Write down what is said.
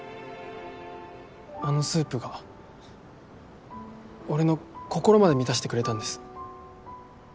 あのスープが俺の心まで満たしてくれたんです。